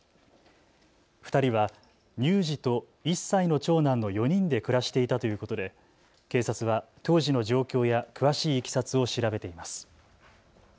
２人は乳児と１歳の長男の４人で暮らしていたということで警察は当時の状況や詳しいいきさつを調べています。